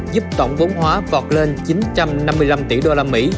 giúp tổng vốn hóa vọt lên chín trăm năm mươi năm tỷ đô la mỹ